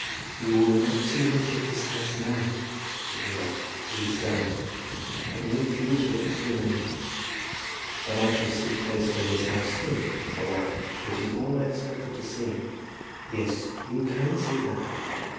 "You will not see much of his house now," said the man—"it is down; only a few bricks remain." "But I shall see the place where his house stood," said I; "which is all I expected to see." "Yes; you can see that."